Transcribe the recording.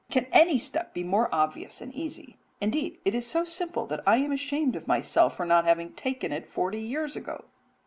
Can any step be more obvious and easy indeed, it is so simple that I am ashamed of myself for not having taken it forty years ago.